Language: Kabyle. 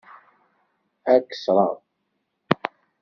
Ad k-ṣṣreɣ.